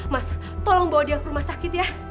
mas tolong bawa dia ke rumah sakit ya